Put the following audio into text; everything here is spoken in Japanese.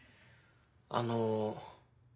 あの。